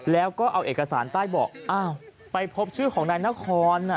แล้วก็เอาเอกสารใต้เบาะอ้าวไปพบชื่อของนายนคร